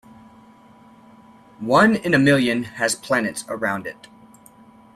One in a million has planets around it.